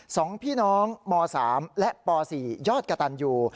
สองพี่น้องม๓และป๔ยอดกระตันยู